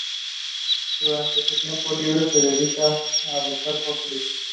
Durante su tiempo libre se dedicaba a buscar fósiles.